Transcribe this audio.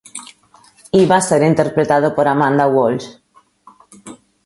Iba a ser interpretado por Amanda Walsh.